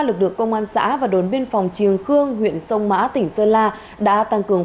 lực lượng công an xã và đồn biên phòng triềng khương huyện sông mã tỉnh sơn la đã tăng cường